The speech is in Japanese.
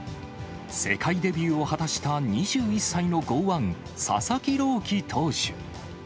世界デビューを果たした２１歳の剛腕、佐々木朗希投手。